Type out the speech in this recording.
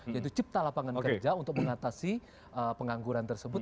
yaitu cipta lapangan kerja untuk mengatasi pengangguran tersebut